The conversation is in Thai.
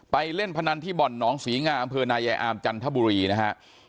เล่นพนันที่บ่อนหนองศรีงาอำเภอนายายอามจันทบุรีนะฮะ